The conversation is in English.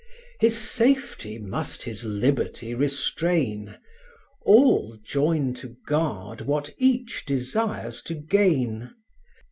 His safety must his liberty restrain: All join to guard what each desires to gain.